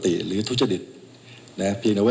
แต่เจ้าตัวก็ไม่ได้รับในส่วนนั้นหรอกนะครับ